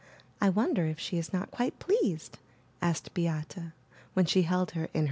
I won der if she is not quite pleased?'' asked Beate, when she held her in her arms.